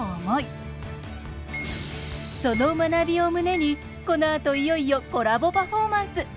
その学びを胸にこのあといよいよコラボパフォーマンス。